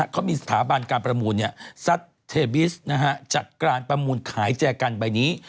เขามีสถาบันการประมูลซัดเทบิสจัดการประมูลขายแจกันใบนี้